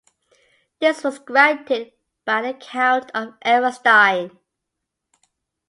This was granted by the count of Everstein.